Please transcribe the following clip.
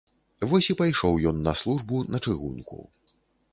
Вось і пайшоў ён на службу, на чыгунку.